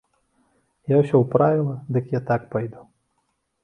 Я ўсё ўправіла, дык я так пайду.